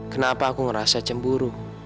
kenapa aku ngerasa cemburu